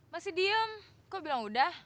masih diem kok bilang udah